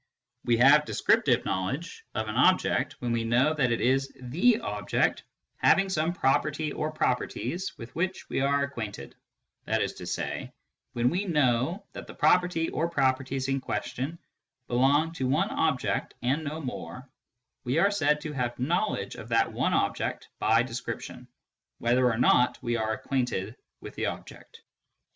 We have descriptive knowledge of an object when we know that it is the object having some property or properties with which we are acquainted ; that is to say, when we know that the property or properties in question belong to one object and no more, we are said to hav3 knowledge of that one object by description, whether or not we are acquainted with the object.